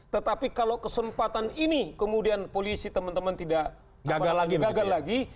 tetapi kalau kesempatan ini kemudian polisi teman teman tidak gagal lagi